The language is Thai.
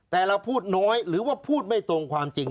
แต่เราพูดน้อยหรือว่าพูดไม่ตรงความจริง